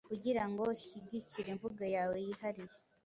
kugirango uhyigikire imvugo yawe yihariye